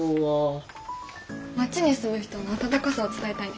町に住む人の温かさを伝えたいね。